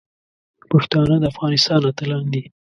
پښتانه د افغانستان اتلان دي.